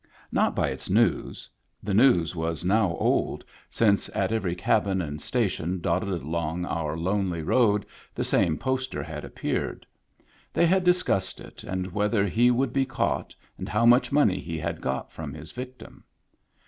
Not by its news ; the news was now old, since 124 Digitized by VjOOQIC TIMBERLINE 125 at every cabin and station dotted along our lonely road the same poster had appeared. They had discussed it, and whether he would be caught, and how much money he had got from his vic tim.